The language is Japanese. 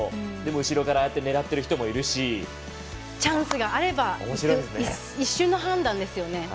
でも後ろをからねらってる人もいるしチャンスがあれば一瞬の判断ですよね。